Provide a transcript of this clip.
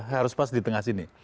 harus pas di tengah sini